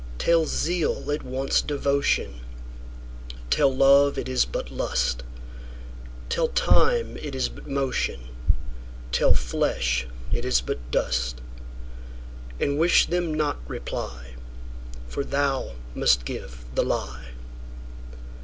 Tell zeal it wants devotion; Tell love it is but lust; Tell time it is but motion; Tell flesh it is but dust:And wish them not reply, For thou must give the lie.